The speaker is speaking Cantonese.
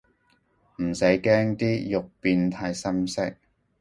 唔使驚啲肉變太深色